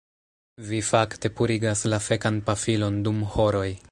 Vi fakte purigas la fekan pafilon dum horoj